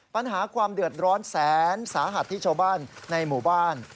ปัญหาความเดือดร้อนแสนสาหัสที่ชาวบ้านในหมู่บ้าน